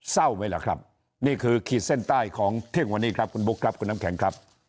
เศร้าไหมล่ะครับนี่คือขีดเส้นใต้ของเที่ยงวันนี้ครับคุณบุ๊คครับคุณน้ำแข็งครับ